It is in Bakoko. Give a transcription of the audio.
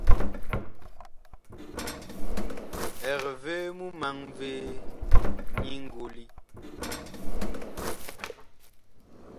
Eg vee mumaŋ vee nyi ngoli?